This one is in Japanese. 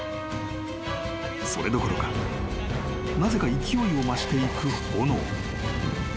［それどころかなぜか勢いを増していく炎］